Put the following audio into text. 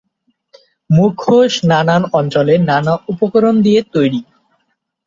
মুখোশ নানান অঞ্চলে নানা উপকরণ দিয়ে তৈরি।